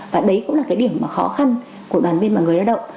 và đấy cũng là cái điểm khó khăn của đoàn viên và người lao động